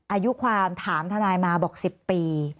อายุความถามทนายมาบอก๑๐ปี